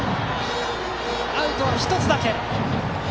アウトは１つだけ。